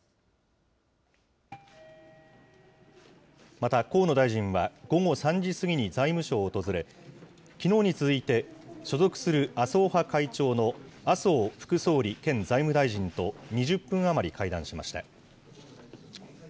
また河野大臣は、午後３時過ぎに財務省を訪れ、きのうに続いて所属する麻生派会長の麻生副総理兼財務大臣と２０分余り会談しました。